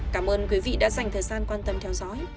cảm ơn quý vị đã dành thời gian quan tâm theo dõi